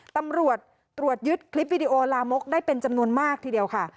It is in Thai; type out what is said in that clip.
ตำรวจตรวจยึดคลิปวิดีโอลามกได้เป็นจำนวนมากทีเดียวค่ะ